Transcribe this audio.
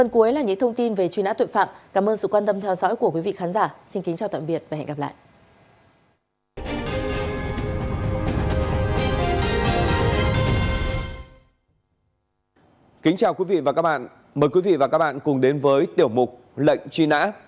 kính chào quý vị và các bạn mời quý vị và các bạn cùng đến với tiểu mục lệnh truy nã